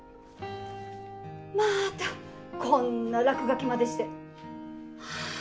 またこんな落書きまでして。